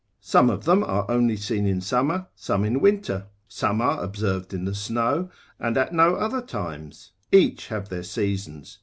some of them are only seen in summer, some in winter; some are observed in the snow, and at no other times, each have their seasons.